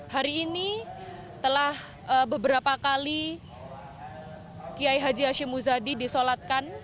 hari ini telah beberapa kali kiai haji hashim muzadi disolatkan